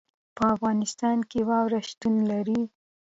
په افغانستان کې واوره شتون لري.